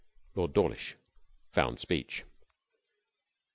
Lord Dawlish found speech.